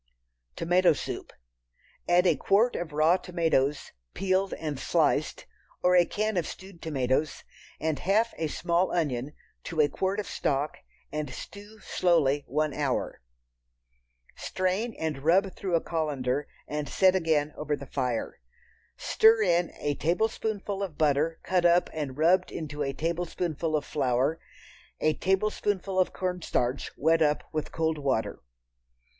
Tomato Soup. Add a quart of raw tomatoes, peeled and sliced, or a can of stewed tomatoes, and half a small onion to a quart of stock, and stew slowly one hour. Strain and rub through a colander and set again over the fire. Stir in a tablespoonful of butter cut up and rubbed into a tablespoonful of flour. A tablespoonful of cornstarch wet up with cold water.